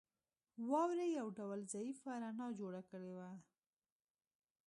واورې یو ډول ضعیفه رڼا جوړه کړې وه